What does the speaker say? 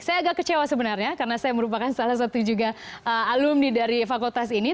saya agak kecewa sebenarnya karena saya merupakan salah satu juga alumni dari fakultas ini